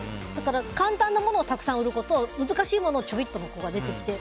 簡単なものをたくさん売る子と難しいものをちょびっとの子が出てきて。